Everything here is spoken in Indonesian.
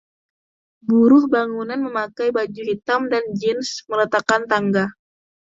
Buruh bangunan memakai baju hitam dan jeans, meletakkan tangga.